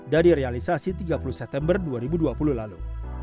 dari realisasi tiga puluh september dua ribu dua puluh lalu